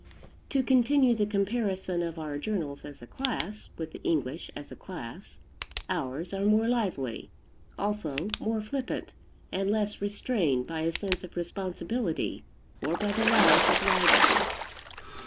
To continue the comparison of our journals as a class, with the English as a class, ours are more lively, also more flippant, and less restrained by a sense of responsibility or by the laws of libel.